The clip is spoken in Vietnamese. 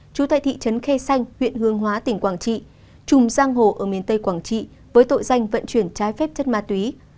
chú tại thị trấn khe xanh huyện hương hóa tỉnh quảng trị trùm giang hồ ở miền tây quảng trị với tội danh vận chuyển trái phép chất ma túy